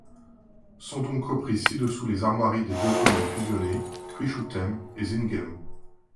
Sont donc reprises ci-dessous les armoiries des deux commune fusionnées, Kruishoutem et Zingem.